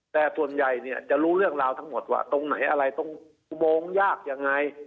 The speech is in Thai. แต่ส่วนใหญ่เนี่ยจะรู้เรื่องราวทั้งหมดว่าตรงไหนอะไรตรงอุโมงยากยังไง